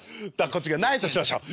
こっちがないとしましょう。